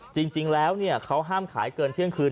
จริงแล้วเขาห้ามขายเกินเที่ยงคืน